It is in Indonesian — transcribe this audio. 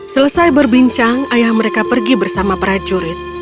selesai berbincang ayah mereka pergi bersama prajurit